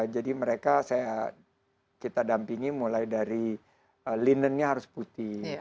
jadi mereka kita dampingi mulai dari linennya harus putih